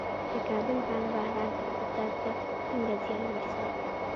د کابل بانک بحران اقتصاد ته څومره زیان ورساوه؟